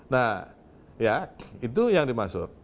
nah ya itu yang dimaksud